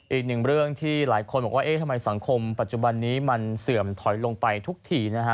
อีกหนึ่งเรื่องที่หลายคนบอกว่าเอ๊ะทำไมสังคมปัจจุบันนี้มันเสื่อมถอยลงไปทุกทีนะฮะ